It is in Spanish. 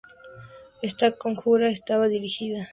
Esta conjura estaba dirigida por Aquiles Serdán.